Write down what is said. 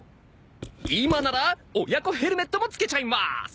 今なら親子ヘルメットもつけちゃいます。